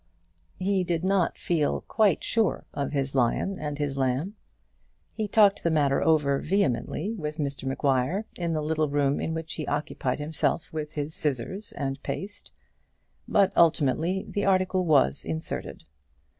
He did not feel quite sure of his lion and his lamb. He talked the matter over vehemently with Mr Maguire in the little room in which he occupied himself with his scissors and his paste; but ultimately the article was inserted.